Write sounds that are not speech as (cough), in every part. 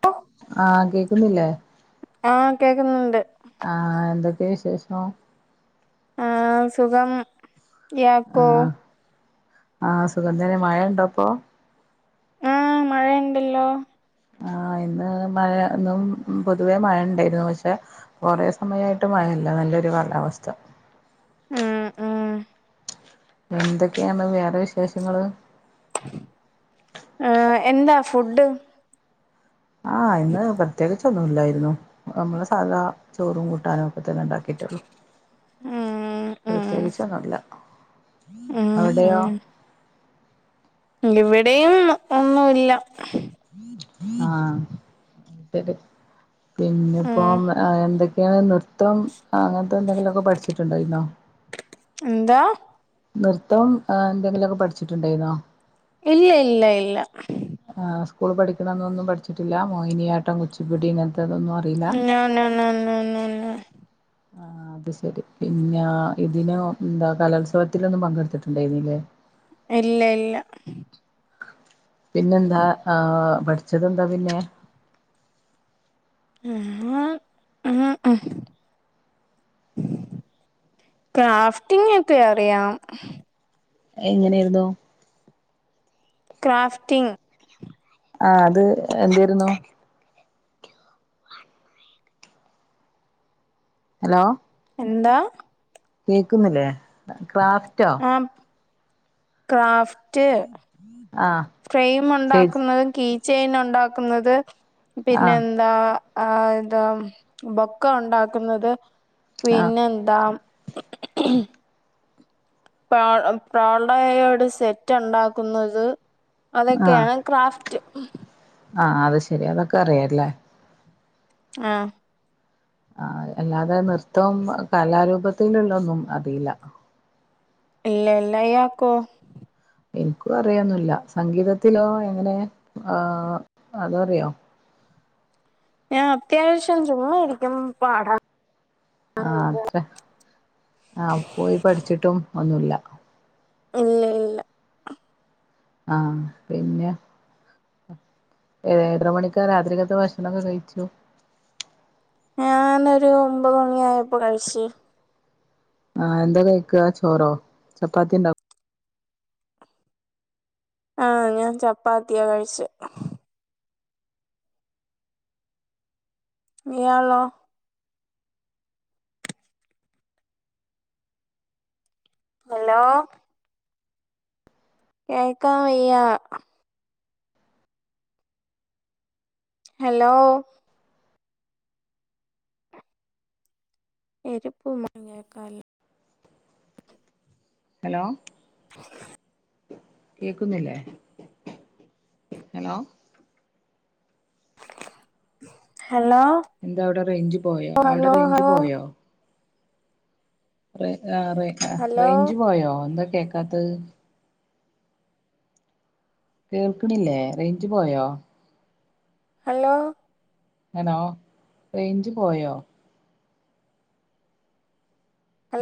പ്പോ ആഹ് കേക്കുന്നില്ലേ ആഹ് കേക്കുന്നുണ്ട് ആ എന്തൊക്കെ വിശേഷം ആ സുഖം ഇയാക്കോ ആഹ് ആഹ് സുഖം തന്നെ മഴണ്ടോപ്പൊ ആ മഴ ഇണ്ടല്ലോ ആഹ് ഇന്ന് മഴ ഇന്നും പൊതുവേ മഴ ഇണ്ടേരുന്നു പക്ഷെ കൊറെ സമയായിട്ട് മഴ ഇല്ല നല്ലൊരു കാലാവസ്ഥ ഉം ഉം എന്തൊക്കെയാണ് വേറെ വിശേഷങ്ങള് ആഹ് എന്താ ഫുഡ് ആഹ് ഇന്ന് പ്രത്യേകിച്ചൊന്നുല്ലായിരുന്നു നമ്മള് സാധാ ചോറും കൂട്ടാനും ഒക്കെ തന്നെ ഉണ്ടാക്കിട്ടുള്ളു ഉം ഉം പ്രത്യേകിച്ചൊന്നൂല്ല ഉം അവിടെയോ ഉം ഇവിടെയും ഒന്നും ഇല്ല ആഹ് ശരി പിന്നെപ്പോ ഉം ആ എന്തെ ഇയാള് നൃത്തം അങ്ങനത്തെ എന്തെങ്കിലൊക്കെ പഠിച്ചിട്ടുണ്ടായിരുന്നോ എന്താ നൃത്തം ആ എന്തെങ്കിലൊക്കെ പഠിച്ചിട്ടുണ്ടായിരുന്നോ ഇല്ല ഇല്ല ഇല്ല ആ സ്കൂൾ പഠിക്കുന്ന അന്നൊന്നും പഠിച്ചിട്ടില്ല മോഹിനിയാട്ടം കുച്ചിപ്പുടി ഇങ്ങത്തതൊന്നും ആ നോനോ നോനോ നോനു ആ അത് ശരി പിന്നെ ഇതിനോ ഉം ന്താ കലോത്സവത്തിനൊന്നും പങ്കെടുത്തിട്ടുണ്ടായിരുന്നീല്ലേ ഇല്ല ഇല്ല പിന്നെന്താ ആഹ് പഠിച്ചതെന്താ പിന്നെ ഉം ങ് ഉങ് ഉം ക്രാഫ്റ്റിംങ്ങൊക്കെ അറിയാം എങ്ങനെ ആയിരുന്നു ക്രാഫ്റ്റിംഗ് ആ അത് എന്തേരുന്നു ഹലോ എന്താ കേക്കുന്നില്ലേ ക്രാഫ്റ്റോ അം ക്രാഫ് റ്റ് ആ ഫ്രെയിം ശരി ഉണ്ടാക്കുന്നതും കീ ചെയിൻ ഉണ്ടാക്കുന്നത് ആ പിന്നെ എന്താ ആ ഇതാ മ് ബൊക്ക ഉണ്ടാക്കുന്നത് ആ പിന്നെ എന്താ പ്രാ പ്രാൾഡയോട് സെറ്റ് ഉണ്ടാക്കുന്നത് അതൊക്കെയാണ് ക്രാഫ്റ്റ് ആഹ് അത് ശെരി അതൊക്കെ അറിയാല്ലേ ആഹ് ആഹ് അല്ലാതെ നൃത്തവും കലാരൂപത്തിലുള്ള ഒന്നും അറിയില്ല. ഇല്ല ഇല്ല ഇയാൾക്കോ എനിക്കും അറിയൊന്നുല്ല സംഗീതത്തിലോ എങ്ങനെ ആഹ് അതറിയോ ആഹ് അത്യാവശ്യം ചുമ്മായിരിക്കും പാടാ ആഹ് അത്ര ആഹ് പോയി പഠിച്ചിട്ടും ഒന്നുല്ല. ഉ (inaudible) ആഹ് പിന്നെ. ഏഴര മണിക്കാ രാത്രിക്കത്ത് ഭക്ഷണോക്കെ കഴിച്ചു ഞാനൊരു ഒമ്പത് മണിയായപ്പോ കഴിച്ച് ആഹ് എന്താ കഴിക്ക ചോറോ ചപ്പാത്തി ഉണ്ട ആഹ് ഞാൻ ചപ്പാത്തിയാ കഴിച്ചേ. ഇ (unintelligible) ഹലോ കേക്കാൻ വയ്യാ ഹലോ എരിപ്പൂ കേൾക്കല്ല (inaudible) ഹലോ. ആ (inaudible) കേക്കുന്നില്ലേ? Hello hello. എന്താ അവിടെ റേഞ്ച് പോയോ അവിടെ ഹലോ റേഞ്ച് ഹലോ പോയോ? റേ ആ റേ ആ ഹലോ റേഞ്ച് പോയോ എന്താ കേക്കാത്തത് കേൾക്കണില്ലേ റേഞ്ച് പോയോ. ഹലോ ഹലോ റേഞ്ച് പോയോ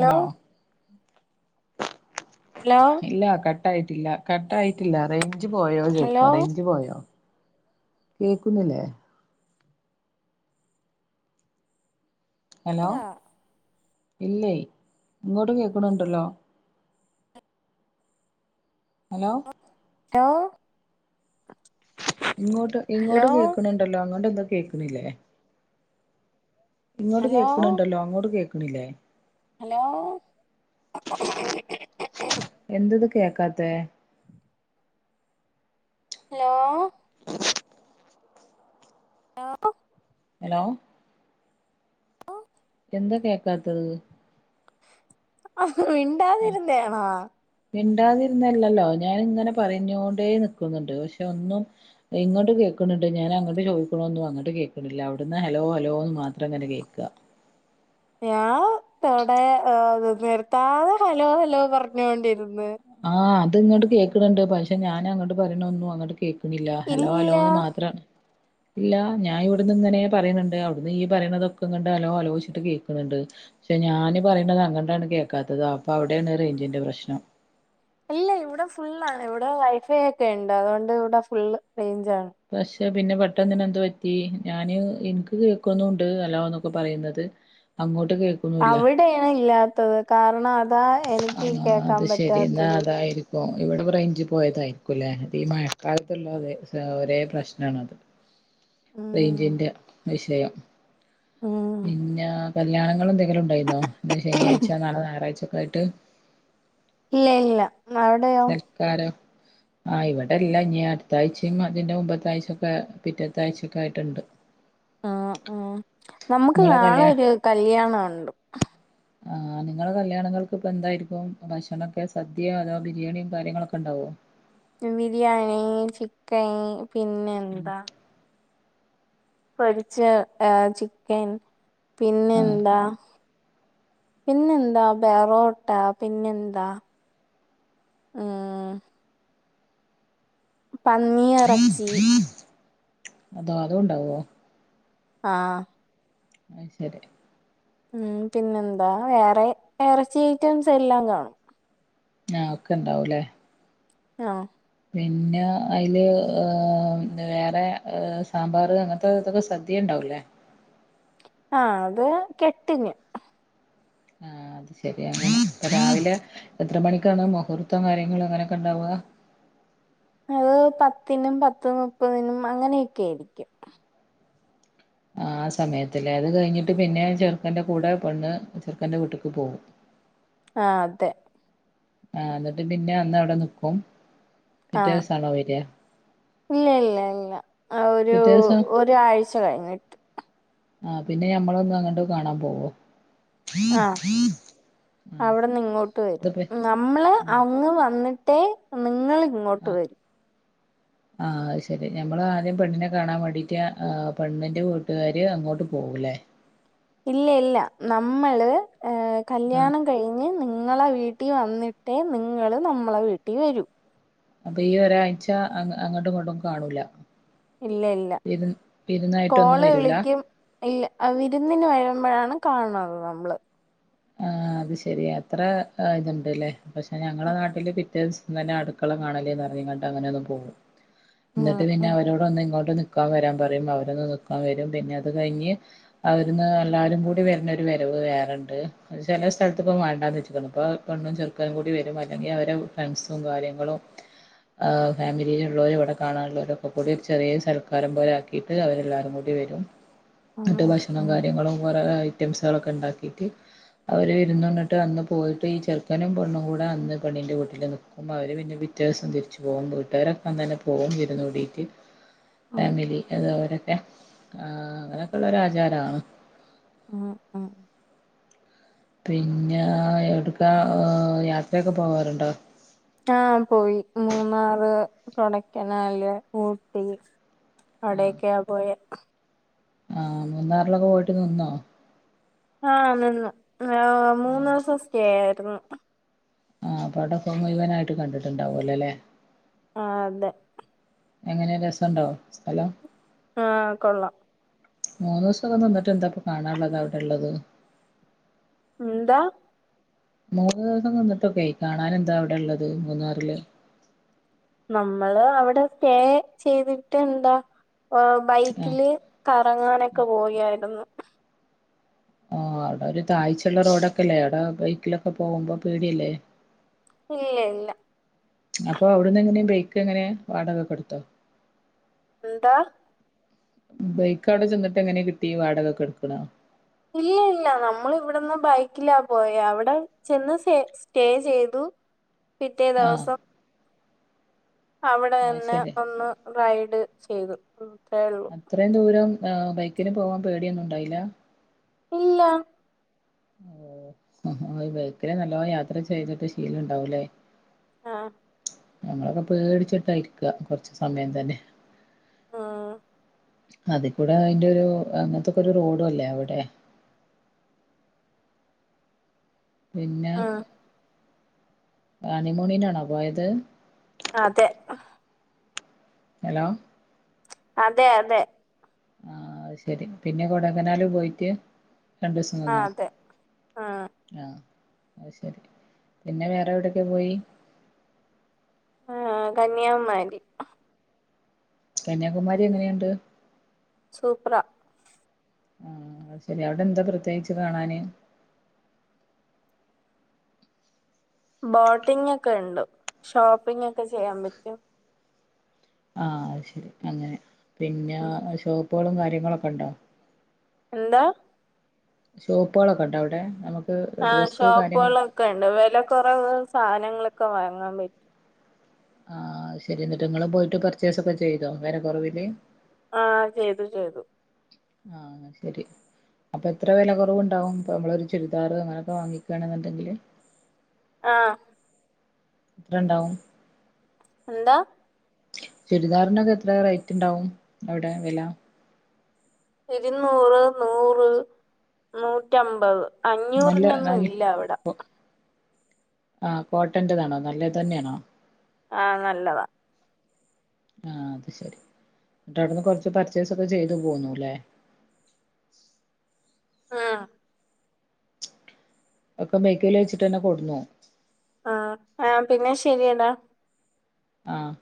ഹലോ. ഹലോ. ഇല്ല കട്ടായിട്ടില്ല കട്ടായിട്ടില്ല റേഞ്ച് പോയോ ഹലോ ചോയ്ക്ക റേഞ്ച് പോയോ. കേക്കുന്നില്ലേ, ഹലോ, ടാ ഇല്ലേയ് ഇങ്ങോട്ട് കേക്കണുണ്ടല്ലോ ഹലോ. (unintelligible) ഇങ്ങോട്ട് ഇങ്ങോട്ട് ഹലോ കേക്കണിണ്ടല്ലോ അങ്ങോട്ട് എന്താ കേക്കണില്ലേ. ഇങ്ങോട്ട് ഹലോ കേക്കണണ്ടല്ലോ? അങ്ങോട്ട് കേക്കണില്ലേ? ഹലോ, എന്ത് ഇത് കേക്കാത്തെ ഹലോ, ആ (inaudible) ഹലോ, ഓ (inaudible) ന്താ കേക്കാത്തത്, മിണ്ടാതിരന്നാണോ? മിണ്ടാതിരുന്നല്ലല്ലോ ഞാൻ ഇങ്ങനെ പറഞ്ഞോണ്ടേ നിക്കുന്നുണ്ട്. പക്ഷെ ഒന്നും ഇങ്ങട്ട് കേക്കണിണ്ട് ഞാൻ അങ്ങട്ട് ചോദിക്കണൊന്നും അങ്ങട്ട് കേക്കണില്ല അവിടുന്ന് ഹലോ ഹലോന്ന് മാത്രം ഇങ്ങനെ കേക്കാ ഞാൻ വടെ നിർത്താതെ ഹലോ ഹലോ പറഞ്ഞോണ്ടിരിന്ന്. ആഹ് അത് ഇങ്ങട്ട് കേക്കണുണ്ട് പക്ഷെ ഞാൻ അങ്ങട് പറയണ ഒന്നു അങ്ങോട്ട് കേക്ക ന്നില്ല ഹലോ ഇല്ല ഹലോന്ന് മാത്ര ഇല്ല ഞാൻ ഇവിടന്ന് ഇങ്ങനെ പറയുന്നുണ്ട്. അവിടുന്ന് ഇയ്യ് പറയണതൊക്കെ ഹലോ ഹലോ ച്ചിട്ട് കേൾക്കുന്ന് ണ്ട്. പക്ഷേ ഞാന് പറയണത് അങ്ങട്ടാണ് കേക്കാത്തത് അപ്പ അവിടേണ് റേഞ്ചിൻ്റെ പ്രശ്നം. ഇല്ല ഇവിടെ ഫുൾ ആണ്. ഇവിടെ വൈഫൈ ഒക്കെ ഉണ്ട് അതുകൊണ്ട് ഇവിടെ ഫുൾ റേഞ്ചാണ്. പക്ഷെ പിന്നെ പെട്ടെന്ന് പിന്നെ എന്തു പറ്റി ഞാന് എനിക്ക് കേക്കുന്നും ഉണ്ട് ഹലോന്നൊക്കെ പറയുന്നത്. അങ്ങോട്ട് കേ അവിടെയാ ഇല്ലാത്തത് കാരണം അതാ എനിക്ക് കേക്കാൻ പറ്റാത്തത്. പ്പോ ഇവിടെ റേഞ്ച് പോയതാരിക്കുല്ലേ അത് ഈ മഴക്കാലത്തുള്ളത് ഒരേ പ്രശ്നാണ് ഉം റേഞ്ചിൻ്റെ വിഷയം ഉം പിന്ന കല്യാണങ്ങൾ എന്തെങ്കിലും ഉണ്ടായിന്നോ ശനിയാഴ്ച നാളെ ഞയറാഴ്ച ഒക്കെ ആയിട്ട് ഇല്ല ഇല്ല അവിടെയോ കാര ആഹ് ഇവിടെല്ലാം ഇനി അടുത്താഴ്ചയും അതിന്റെ മുൻപത്ത ആഴ്ച ഒക്കെ പിറ്റത്ത ആഴ്ചൊക്കെ ആയിട്ടുണ്ട് ആഹ് ആഹ് നമുക്ക് നിങ്ങളെ നാളെ കല്യാ ഒരു കല്യാണം ഉണ്ട് ആഹ് നിങ്ങൾ കല്യാണങ്ങൾക്ക് ഇപ്പോ എന്തായിരിക്കും ഭക്ഷണൊക്കെ സദ്യയോ അതോ ബിരിയാണിയും കാര്യങ്ങളൊക്കെ ഉണ്ടാവോ ബിരിയാണി ചിക്കൻ പിന്നെ ഉം എന്താ പൊരിച്ച ഏ ചിക്കൻ പിന്നെ എന്താ പിന്നെന്താ ബെറോട്ട പിന്നെന്താ മ്മ്ഹ് പന്നിയിറച്ചി അതോ അതും ഉണ്ടാവോ ആഹ് ശരി ഉം പിന്നെന്താ വേറെ ഇറച്ചി ഐറ്റംസ് എല്ലാം കാണും. ആ അതൊക്കെ ഉണ്ടാവുംല്ലേ ആഹ് പിന്നെ അയില് പിന്നെ വേറെ സാമ്പാർ അങ്ങനത്തെ ഇതൊക്കെ സദ്യ ഉണ്ടാവുല്ലേ ആഹ് അത് കെട്ടിന് ആഹ് അത് ശരിയാണ് ഇപ്പ രാവിലെ എത്ര മണിക്കാണ് മുഹൂർത്തം കാര്യങ്ങളും അങ്ങനെയൊക്കെ ഉണ്ടാവുക അത് പത്തിനും പത്ത് മുപ്പതിനും അങ്ങനെയൊക്കെ ആയിരിക്കും ആഹ് സമയത്തല്ലേ അത് കഴിഞ്ഞിട്ട് പിന്നെ ചെറുക്കന്റെ കൂടെ പെണ്ണ് ചെറുക്കൻ്റെ വീട്ടക്ക് പോകും ആഹ് അതെ ആഹ എന്നിട്ട് പിന്നെ അന്ന് അവിടെ നിക്കും പിറ്റേ ആഹ് ദിവസം ആണോ വരിയാ ഇല്ല ഇല്ല ഇല്ല ആഹ് ഒരു ദിവസം ഒരാഴ്ച കഴിഞ്ഞിട്ട് ആഹ് പിന്നെ ഞമ്മളൊന്ന് അങ്ങോട്ട് കാണാൻ പോകും അവിടെന്ന് ഇങ്ങോട്ട് വരും നമ്മള് ഉം അങ്ങ് വന്നിട്ടേ നിങ്ങള് ഇങ്ങോട്ട് വരും (inaudible) ആ ശരി ഞമ്മള് ആദ്യം പെണ്ണിനെ കാണാൻ വേണ്ടിയിട്ട് പെണ്ണിൻ്റെ വീട്ടുകാര് അങ്ങോട്ട് പോവല്ലേ ഇല്ല ഇല്ല നമ്മള് കല്യാണം കഴിഞ്ഞ് നിങ്ങളെ വീട്ടിൽ വന്നിട്ടേ നിങ്ങള് നമ്മളെ വീട്ടിൽ വരു അപ്പൊ ഈ ഒരാഴ്ച അങ്ങോട്ടു ഇങ്ങോട്ടു കാണൂല്ല ഇല്ല ഇല്ല വിരുന്നായിട്ടൊന്നും കോള് വരൂല വിളിക്കും ഇല്ല വിരുന്നിന് വരുമ്പോഴാണ് കാണണത് നമ്മള് ആ അത് ശരി അത്ര ഇതുണ്ട്ല്ലേ പക്ഷെ ഞങ്ങളെ നാട്ടില് പിറ്റേ ദിവസം തന്നെ അടു ക്കള കാണല്ലേ പറഞ്ഞു ഇങ്ങട്ട് അങ്ങനെ ഒന്നു പോകും ഉം എന്നിട്ട് പിന്നെ ഉം അവരോടൊന്ന് ഇങ്ങോട്ട് നിക്കാൻ വരാൻ പറയും അവരൊന്ന് നിക്കാൻ വരും പിന്നെ അത് കഴിഞ്ഞ് അവടുന്ന് എല്ലാരും കൂടി വരുന്നൊരു വരവ് വേറണ്ട് ചില സ്ഥലത്ത് ഇപ്പം വേണ്ടാന്നു വെച്ചിക്കാണ് ഇപ്പ പെണ്ണും ചെറുക്കനും കൂടി വരും അല്ലെങ്കിൽ അവര് ഫ്രണ്ട്സും കാര്യങ്ങളും ആഹ് ഫാമിലിയിലുള്ളവരും ഇവിടെ കാണാനുള്ളവരക്കെ കൂടി ചെറിയ സൽക്കാരം പോലെ ആക്കിട്ട് അവരെല്ലാവരും കൂടി വരും ഉം എന്നട്ട് ഭക്ഷണ ഉം കാര്യങ്ങളും കുറെ ഐറ്റംസുകളൊക്കെ ഉണ്ടാക്കിട്ട് അവര് വിരുന്നുണ്ടിട്ട് അന്ന് പോയിട്ട് ഈ ചെറുക്കനും പെണ്ണും കൂടെ അന്ന് പണിന്റെ വീട്ടിൽ നിൽകും അവര് പിന്നെ പിറ്റെ ദിവസം തിരിച്ചു പോകും വീട്ടുകാരൊക്കെ അന്ന് തന്നെ പോകും വിരുന്നു കൂടിയിട്ട് ഉം ഫാമിലി അത് അവരൊക്കെ ആ അങ്ങനെയൊക്കെ ഉള്ളൊ ആചാരമാണ് ആഹ് ആഹ് പിന്നെ എവിടുക്കാ യാത്രയൊക്കെ പോവാറുണ്ടോ ആഹ് പോയി മൂന്നാറ് കൊടൈക്കനാല് ഊട്ടി ആഹ് അടയൊക്കെയാ പോയെ ആഹ് മൂന്നാറിലൊക്കെ പോയിട്ട് നിന്നോ ആ നിന്നു മൂന്ന് ആഹ് ദിവസം സ്റ്റേ ആയിരുന്നു. ആഹ് അപ്പം അവിടെ ഫുൾ മുഴുവനായിട്ട് കണ്ടിട്ടുണ്ടാവൂലോ അല്ലേ ആഹ് അതെ എങ്ങനെ രസോണ്ടോ സ്ഥലം ആഹ് കൊള്ളാം മൂന്ന് ദിവസൊക്കെ നിന്നിട്ട് എന്താപ്പൊ കാണാനുള്ളത് അവിടെ ഉള്ളത് എന്താ മൂന്ന് ദിവസം നിന്നിട്ടൊക്കെ കാണാൻ എന്താ അവിടെ ഉള്ളത് മൂന്നാറില് നമ്മള് അവിടെ സ്റ്റേ ചെയ്തിട്ട് എന്താ ആ ബൈക്കില്. കറങ്ങാനൊക്കെ പോയാരുന്നു ആഹ് അവിടെ ഒരു താഴ്ചയുള്ള റോഡൊക്കെ ഇല്ലേ അവിടെ ബൈക്കിലൊക്കെ പോകുമ്പോ പേടിയല്ലേ ഏഹ് ഇല്ല അപ്പൊ അവിടുന്ന് എങ്ങനെ ബൈക്ക് എങ്ങനെ വാടകക്ക് എടുത്തോ എന്താ ബൈക്ക് അവിടെ ചെന്നിട്ട് എങ്ങനെ കിട്ടി വാടകക്ക് എടുക്കണോ ഇല്ല ഇല്ല നമ്മൾ ഇവിടുന്ന് ബൈക്കിലാ പോയേ അവിടെ ചെന്ന് സേ. സ്റ്റേ ചെയ്തു പിറ്റേ ആഹ് ദിവസം അവിടെ ആ എന്നെ ശരി ഒന്ന് റൈഡ് ചെയ്തു (unintelligible) ഇത്രം ദൂരം ഏഹ് ബൈക്കിന് പോകാൻ പേടിയൊന്നും ഉണ്ടായില്ല ഇല്ല ഓഹ് ബൈക്കില് നല്ലോല യാത്ര ചെയ്തിട്ട് ശീലം ഉണ്ടാവൂലേ ആഹ് ഞങ്ങളൊക്കെ പേടിച്ചിട്ട ഇരിക്കാ കുറച്ച് സമയം തന്നെ. ഉം അതിക്കൂടെ അതിന്റെ ഒരു അങ്ങനത്തൊക്കെ ഒരു റോഡും അല്ലേ അവിടെ പിന്നെ ഉം ഹണിമൂണിനാണോ പോയത് അതെ ഹലോ അതെ അതെ ആഹ് അത്ശരി പിന്നെ കൊടെയ്ക്കനാൽ പോയിറ്റ് രണ്ടിസം ആ നിന്നോ അതെ ആ ആ അത് ശരി പിന്നെ വേറെ എവിടൊക്കെ പോയി. ആഹ് കന്യാകുമാരി കന്യാകുമാരി എങ്ങനെയുണ്ട് സൂപ്പറാ ആ അത് ശരി അവിടെ എന്താ പ്രത്യേകിച്ച് കാണാന്. ബോട്ടിംഗ് ഒക്കെ ഉണ്ട് ഷോപ്പിംഗ് ഒക്കെ ചെയ്യാൻ പറ്റും. ആഹ് അത്ശരി അങ്ങനെ പിന്നെ ഉം. ഷോപ്പുകളും കാര്യങ്ങളൊക്കെ ഉണ്ടോ എന്താ. ഷോപ്പുകളൊക്കെ ഉണ്ടോ അവിടെ നമുക്ക് ആ ഡ്രസ്സ് കാര്യങ്ങളൊക്കെ (unintelligible) വില കുറവ് സാധനങ്ങളൊക്കെ വാങ്ങാൻ പ. ആഹ് അത് ശരി എന്നിട്ട് നിങ്ങള് പോയിട്ട് പർച്ചേസ് ഒക്കെ ചെയ്തോ വില കുറവില് ആഹ് ചെയ്തു ചെയ്തു. ആഹ് എന്ന ശരി അപ്പൊ എത്ര വില കുറവുണ്ടാവും ഇപ്പ നമ്മള് ഒരു ചുരിദാർ അങ്ങനൊക്കെ വാങ്ങിക്കുകയാണെന്നുണ്ടെങ്കില് ആഹ് എത്ര ഉണ്ടാവും. എന്താ ചുരിദാറിന് ഒക്കെ എത്ര റേറ്റ് ഉണ്ടാവും അവിടെ വില ഇരുന്നൂറ്, നൂറ്, നൂറ്റമ്പത് നല്ല അഞ്ഞൂറിനൊന്നും നല്ല ഇല്ല അവ്ടെ ആ കോട്ടൻ്റതാണോ നല്ലത് തന്നെണോ ആഹ് നല്ലതാ ആഹ് അത് ശരി ന്നിട്ടഅവ്ട്ന്ന് കൊർച്ച് പർച്ചേസ് ഒക്കെ ചെയ്തു പോന്നു ലെ ആഹ് ഒക്കെ ബൈക്കില് വെച്ചിട്ടന്നെ കൊട്ന്നു ആഹ് ആ പിന്നെ ശരിയടാ ആഹ്